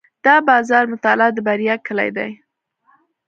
د بازار مطالعه د بریا کلي ده.